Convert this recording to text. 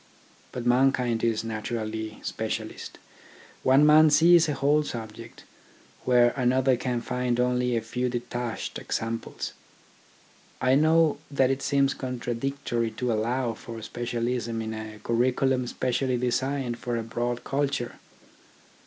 But mankind is naturally specialist. One man sees a whole subject, where another can find only a few de tached examples. I know that it seems contra dictory to allow for specialism in a curriculum especially designed for a broad culture.